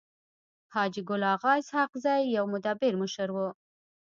حاجي ګل اغا اسحق زی يو مدبر مشر وو.